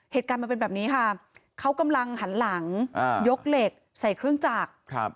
เหตุการณ์มันเป็นแบบนี้ค่ะเขากำลังหันหลังยกเหล็กใส่เครื่องจักร